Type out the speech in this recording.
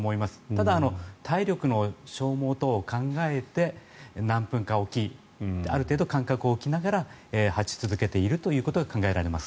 ただ、体力の消耗等を考えて何分かおきある程度、間隔を置きながら発し続けているということが考えられます。